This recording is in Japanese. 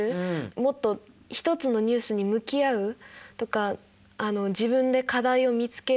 もっと一つのニュースに向き合うとか自分で課題を見つける。